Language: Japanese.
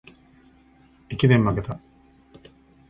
駅伝まけた